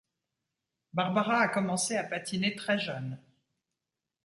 Barbara a commencé à patiner très jeune.